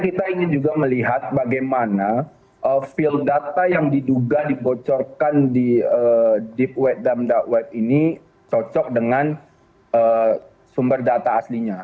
sebenarnya kita juga ingin melihat bagaimana field data yang diduga dibocorkan di deep web dan dark web ini cocok dengan sumber data aslinya